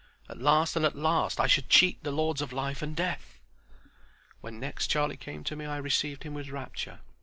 At last and at last I should cheat the Lords of Life and Death! When next Charlie came to me I received him with rapture.